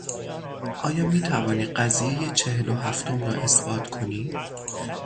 آیا میتوانی قضیهی چهل و هفتم را اثبات کنی؟